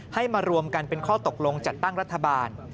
ให้มารวมกันเป็นข้อตกลงจัดตั้งรัฐบาล